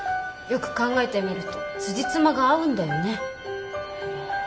よく考えてみるとつじつまが合うんだよね。